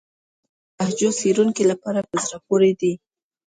متلونه د لهجو څېړونکو لپاره په زړه پورې دي